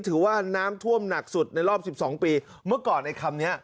ถือว่าน้ำท่วมหนักสุดในรอบสิบสองปีเมื่อก่อนไอ้คำเนี้ย